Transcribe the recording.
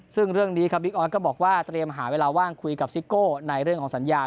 ซึ่งเรื่องนี้ครับบิ๊กออสก็บอกว่าเตรียมหาเวลาว่างคุยกับซิโก้ในเรื่องของสัญญา